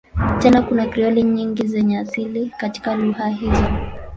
Tena kuna Krioli nyingi zenye asili katika lugha hizo.